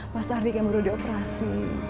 pas aldi kembali di operasi